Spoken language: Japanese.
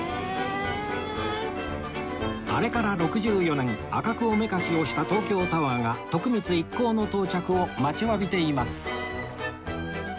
あれから６４年赤くおめかしをした東京タワーが徳光一行の到着を待ちわびています